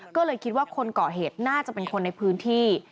ก็เลยคิดว่าคนเกาะเหตุน่าจะเป็นคนในพื้นที่